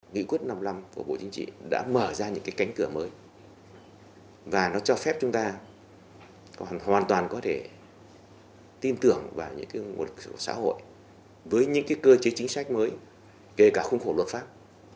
nghị quyết năm mươi năm của bộ chính trị đã mở ra những cái cánh cửa mới và nó cho phép chúng ta hoàn toàn có thể tin tưởng vào những nguồn lực xã hội với những cơ chế chính sách mới kể cả khung khổ luật pháp